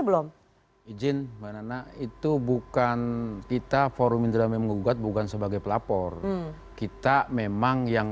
belum izin banana itu bukan kita forum indramayu menggugat bukan sebagai pelapor kita memang yang